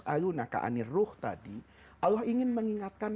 allah ingin mengingatkan